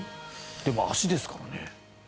でも足ですからね。